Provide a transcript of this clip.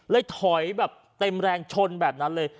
ถอยแบบเต็มแรงชนแบบนั้นเลย